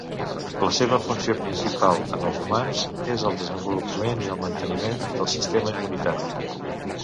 La seva funció principal en els humans és el desenvolupament i el manteniment del sistema immunitari.